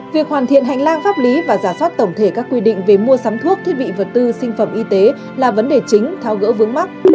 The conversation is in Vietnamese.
việc hoàn thiện hành lang pháp lý và giả soát tổng thể các quy định về mua sắm thuốc thiết bị vật tư sinh phẩm y tế là vấn đề chính tháo gỡ vướng mắt